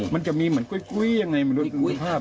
มันจะมีเหมือนกุ้ยอย่างไร